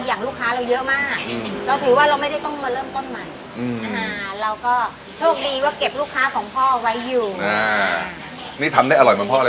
อ่านี่ทำได้อร่อยเหมือนพ่ออะไรมั้ย